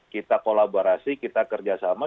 kita kolaborasi kita kerjasama